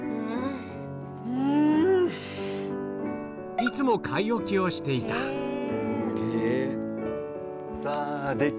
いつも買い置きをしていたさぁ。